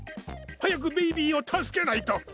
早くベイビーを助けないと！